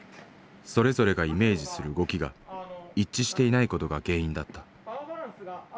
それぞれがイメージする動きが一致していないことが原因だった。